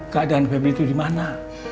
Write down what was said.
keadaan febi itu di mana